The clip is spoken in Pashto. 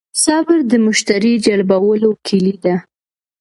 صبر د مشتری جلبولو کیلي ده.